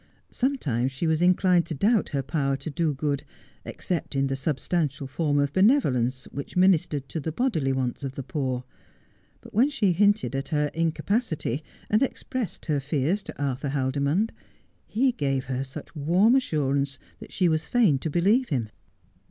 Sometimes she was inclined to doubt her power to do good, except in the substantial form of benevolence which ministered to the bodily wants of the poor ; but when she hinted at her incapacity, and expressed her fears to Arthur Haldimond, he gave her such warm assurance that she was fain to believe him.